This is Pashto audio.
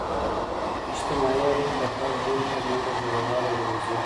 اجتماعي اړیکي د فرد ژوند ته نوره ژوروالی ورزوي.